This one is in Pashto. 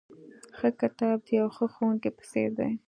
ښه کتاب د یوه ښه ښوونکي په څېر دی.